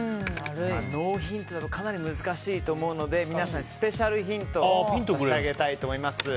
ノーヒントだとかなり難しいと思うので皆さんにスペシャルヒントを差し上げたいと思います。